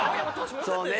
そうね。